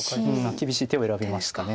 厳しい手を選びました。